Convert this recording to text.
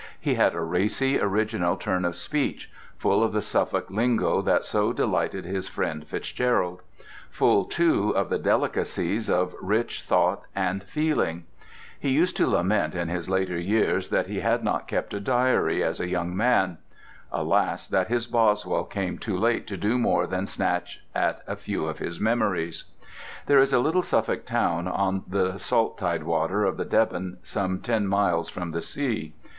He had a racy, original turn of speech, full of the Suffolk lingo that so delighted his friend FitzGerald; full, too, of the delicacies of rich thought and feeling. He used to lament in his later years that he had not kept a diary as a young man. Alas that his Boswell came too late to do more than snatch at a few of his memories. There is a little Suffolk town on the salt tidewater of the Deben, some ten miles from the sea.